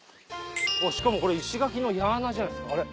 しかもこれ石垣の矢穴じゃないですか。